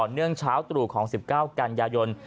ต่อเนื่องเช้าตรู่ของ๑๙กันยยนต์